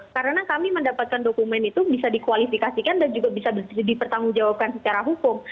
karena kami mendapatkan dokumen itu bisa dikualifikasikan dan juga bisa dipertanggungjawabkan secara hukum